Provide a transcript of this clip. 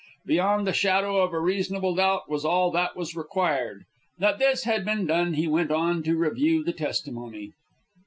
Beyond the shadow of a reasonable doubt was all that was required. That this had been done, he went on to review the testimony.